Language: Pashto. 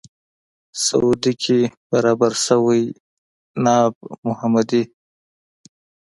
سعودي کې برابر شوی ناب محمدي.